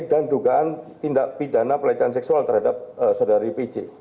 dugaan tindak pidana pelecehan seksual terhadap saudari pc